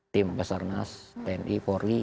tim besar nas tni korri